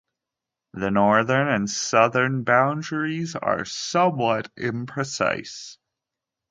The northern and southern boundaries are somewhat imprecise.